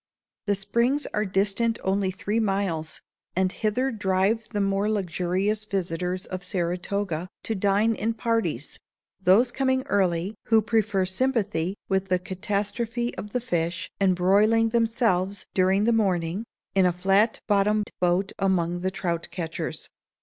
The Springs are distant only three miles; and hither drive the more luxurious visitors of Saratoga, to dine in parties,—those coming early who prefer sympathy with the catastrophe of the fish, and broiling themselves, during the morning, in a flat bottomed boat among the trout catchers.